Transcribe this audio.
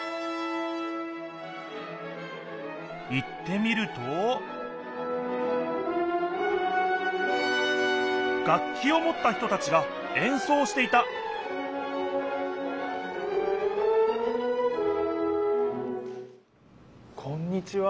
行ってみると楽きをもった人たちがえんそうをしていたこんにちは。